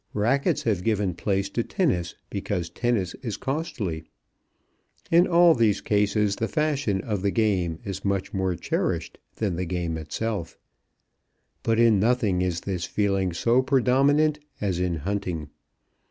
Racquets have given place to tennis because tennis is costly. In all these cases the fashion of the game is much more cherished than the game itself. But in nothing is this feeling so predominant as in hunting.